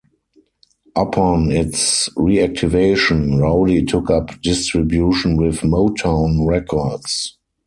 Upon its reactivation, Rowdy took up distribution with Motown Records.